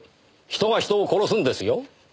人が人を殺すんですよ。